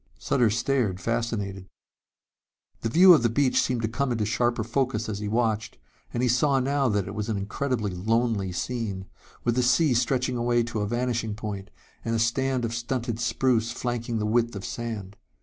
Sutter stared, fascinated. The view of the beach seemed to come into sharper focus as he watched, and he saw now that it was an incredibly lonely scene, with the sea stretching away to a vanishing point and a stand of stunted spruce flanking the width of sand.